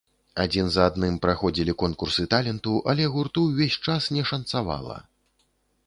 Адзін за адным праходзілі конкурсы таленту, але гурту ўвесь час не шанцавала.